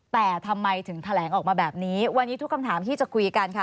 แต่ทำไมถึงแถลงออกมาแบบนี้วันนี้ทุกคำถามที่จะคุยกันค่ะ